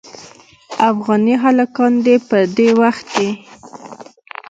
افغاني هلکان دې په دې وخت کې.